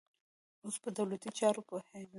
اوس په دولتي چارو پوهېږي.